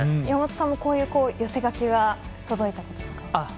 山本さんもこういう寄せ書きが届いたこととかは。